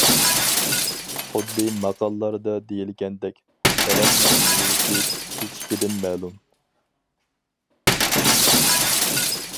خۇددى ماقاللاردا دېيىلگەندەك:« دەرەخنىڭ مېۋىسى چېچىكىدىن مەلۇم».